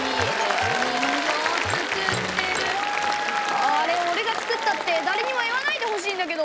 あああれおれが作ったってだれにも言わないでほしいんだけど。